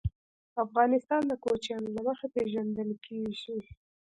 افغانستان د کوچیان له مخې پېژندل کېږي.